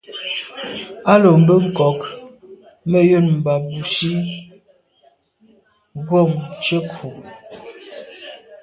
A lo mbe nkôg me yen mba busi ghom tshetku.